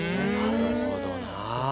なるほどなぁ。